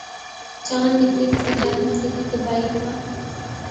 چاند نکلے کسی جانب تری زیبائی کا